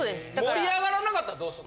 盛り上がらなかったらどうすんの？